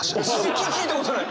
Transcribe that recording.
聞いたことない！